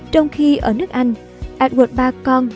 trong khi ở nước anh edward iii con